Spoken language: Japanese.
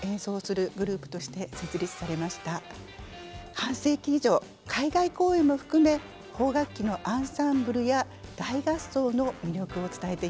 半世紀以上海外公演も含め邦楽器のアンサンブルや大合奏の魅力を伝えています。